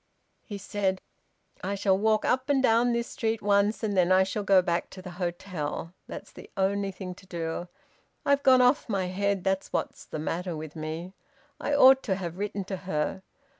He said: "I shall walk up and down this street once, and then I shall go back to the hotel. That's the only thing to do. I've gone off my head, that's what's the matter with me! I ought to have written to her.